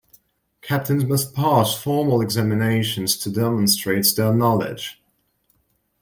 Captains must pass formal examinations to demonstrate their knowledge.